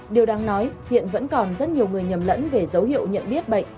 điều đáng nói hiện vẫn còn rất nhiều người nhầm lẫn về dấu hiệu nhận biết bệnh